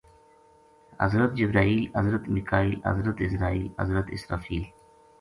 حضرت جبرائیل، حضرت میکائیل، حضرت عزرائیل، حضرت اسرافیل